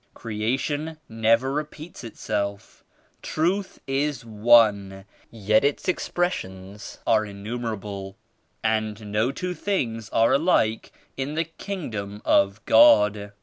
Creation never repeats itself. Truth is one yet its expressions are innumerable and no two things are alike in the Kingdom of God.